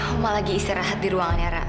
oma lagi istirahat di ruangan yara